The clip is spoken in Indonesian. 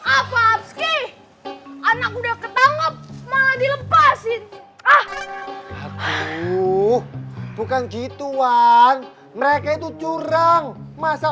apa anak udah ketangkep malah dilepasin ah bukan gitu wan mereka itu curang masa